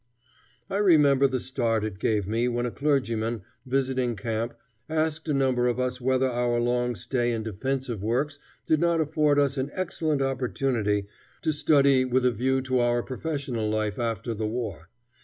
I remember the start it gave me when a clergyman, visiting camp, asked a number of us whether our long stay in defensive works did not afford us an excellent opportunity to study with a view to our professional life after the war.